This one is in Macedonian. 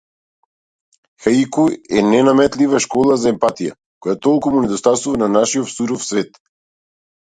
Хаику е ненаметлива школа за емпатија, која толку му недостасува на нашиов суров свет.